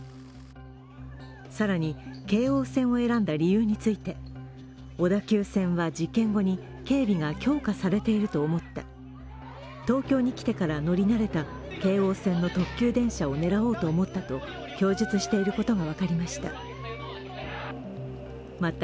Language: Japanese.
更に京王線を選んだ理由について、小田急線は事件後に警備が強化されていると思った東京に来てから乗り慣れた京王線の特急電車を狙おうと思ったと供述していることが分かりました。